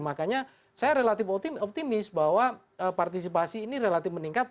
makanya saya relatif optimis bahwa partisipasi ini relatif meningkat